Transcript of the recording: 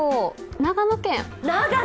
長野県？